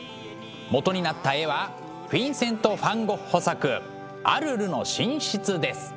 元になった絵はフィンセント・ファン・ゴッホ作「アルルの寝室」です。